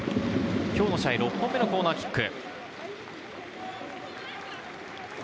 今日の試合、６本目のコーナーキック。